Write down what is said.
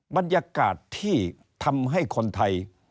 บรรยากาศที่ทำให้คนไทย